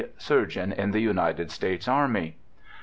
Surgeon in the United States Army.